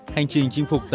hành trình chinh phục tất cả